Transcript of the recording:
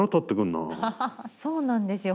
そうなんですよ